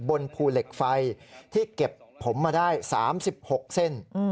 บนภูเหล็กไฟที่เก็บผมมาได้๓๖เส้น